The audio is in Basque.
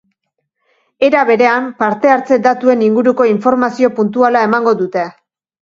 Era berean, parte-hartze datuen inguruko informazio puntuala emango dute.